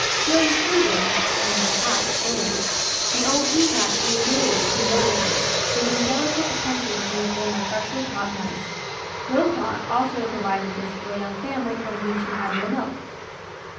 "During 'Susan's' (one of the cats) illness, the old he cat came daily to condole with her, bringing delicate 'attentions' in the form of freshly caught mice. 'Loquat' also provided this for a young family for whom she had no milk.